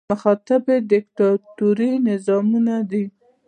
مخاطب یې دیکتاتوري نظامونه دي.